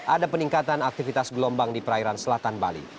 ada peningkatan aktivitas gelombang di perairan selatan bali